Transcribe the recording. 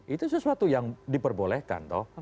itu sesuatu yang diperbolehkan